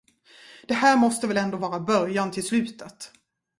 Det här måste väl ändå vara början till slutet.